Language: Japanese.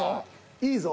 いいぞ。